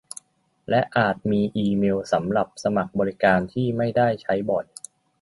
และอาจมีอีเมลสำหรับสมัครบริการที่ไม่ได้ใช้บ่อย